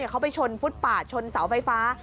เขาไปชนฟุตปาดชนเสาไฟฟ้า